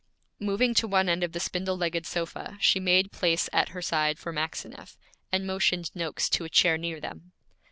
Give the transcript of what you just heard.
Moving to one end of the spindle legged sofa, she made place at her side for Maxineff, and motioned Noakes to a chair near them.